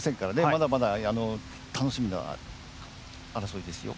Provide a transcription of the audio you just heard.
まだまだ楽しみな争いですよ。